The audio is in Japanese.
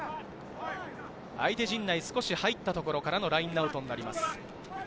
相手陣内、少し入ったところからのラインアウトになります。